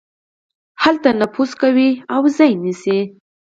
هلته نفوذ کوي او ځای نيسي.